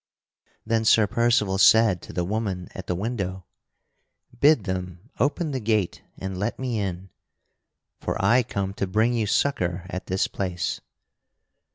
Then Sir Percival said to the woman at the window: "Bid them open the gate and let me in; for I come to bring you succor at this place."